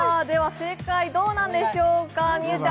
正解どうなんでしょうか？